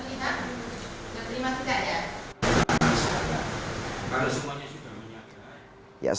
silakan memulihkan terima kasih